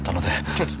ちょっと。